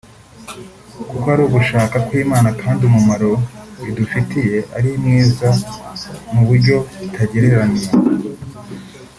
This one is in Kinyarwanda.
kuko ari ugushaka kw’Imana kandi umumaro bidufitiye ari mwiza mu buryo butagereranywa